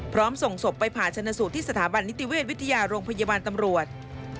ส่งศพไปผ่าชนะสูตรที่สถาบันนิติเวชวิทยาโรงพยาบาลตำรวจ